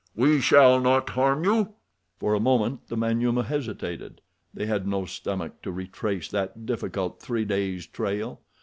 We shall not harm you." For a moment the Manyuema hesitated. They had no stomach to retrace that difficult three days' trail.